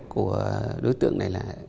của đối tượng này là